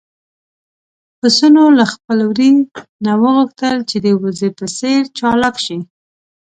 پسونو له خپل وري نه وغوښتل چې د وزې په څېر چالاک شي.